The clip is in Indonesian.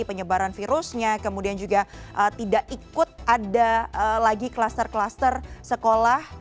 penyebaran virusnya kemudian juga tidak ikut ada lagi kluster kluster sekolah